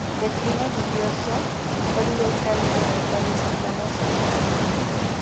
De clima lluvioso, frío y cálido en los valles cercanos al Marañón.